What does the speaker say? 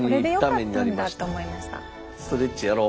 ストレッチやろう。